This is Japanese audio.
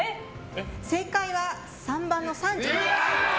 正解は３番の３２回。